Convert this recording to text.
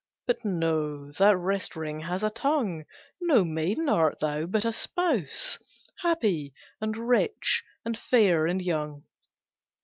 But no, that wrist ring has a tongue, No maiden art thou, but a spouse, Happy, and rich, and fair, and young."